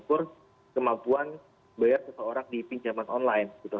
mengukur kemampuan bayar seseorang di pinjaman online gitu